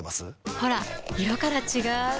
ほら色から違う！